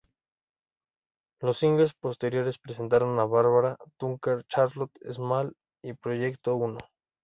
Los singles posteriores presentaron a Barbara Tucker, Charlotte Small, y Proyecto Uno.